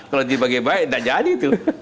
kalau dibagi baik tidak jadi itu